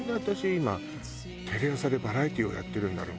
今テレ朝でバラエティーをやってるんだろう？